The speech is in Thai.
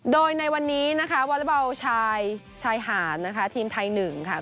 โดยในวันนี้วาระบาลชายหาดทีมไทย๑